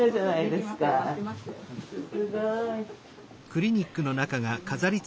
すごい。